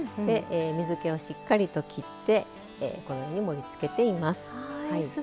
水けをしっかりと切って盛りつけています。